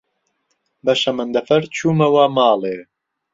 بە شەمەندەفەر چوومەوە ماڵێ.